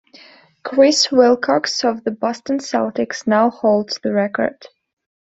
Chris Wilcox of the Boston Celtics now holds the record.